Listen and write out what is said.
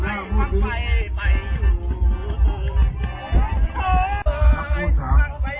ให้สรรรค์รู้ว่าคนตกลงมา